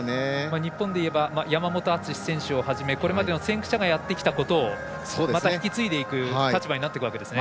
日本でいえば山本篤選手をはじめ先駆者がやってきたことをまた引き継いでいく立場になりますね。